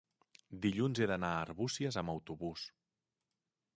dilluns he d'anar a Arbúcies amb autobús.